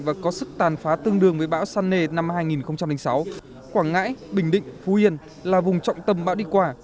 và có sức tàn phá tương đương với bão săn nề năm hai nghìn sáu quảng ngãi bình định phú yên là vùng trọng tâm bão đi qua